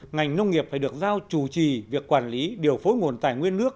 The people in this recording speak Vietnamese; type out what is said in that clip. ngành nông nghiệp phải được giao chủ trì việc quản lý điều phối nguồn tài nguyên nước